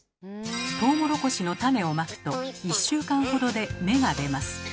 トウモロコシの種をまくと１週間ほどで芽が出ます。